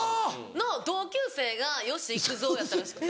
の同級生が吉幾三やったらしくて。